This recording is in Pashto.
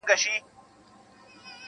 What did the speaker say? • خپل جنون رسوا کمه، ځان راته لیلا کمه -